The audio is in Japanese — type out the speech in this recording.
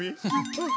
うん。